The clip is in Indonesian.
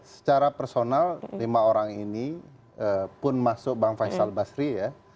secara personal lima orang ini pun masuk bang faisal basri ya